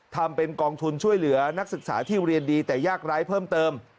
ทำเป็นกองทุนช่วยเหลือนักศึกษาที่เรียนดีแต่ยากไร้เพิ่มเติม